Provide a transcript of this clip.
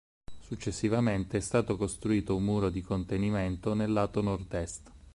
Successivamente è stato costruito un muro di contenimento nel lato nord-est.